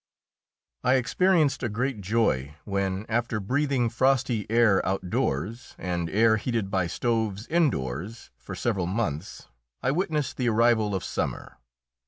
I experienced a great joy when, after breathing frosty air outdoors and air heated by stoves indoors for several months, I witnessed the arrival of summer.